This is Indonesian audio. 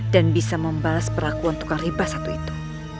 dan bisa membalas perlakuan tukang riba satu itu